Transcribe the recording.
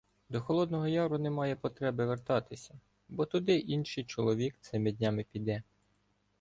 До Холодного Яру немає потреби вертатися, бо туди інший чоловік цими днями піде.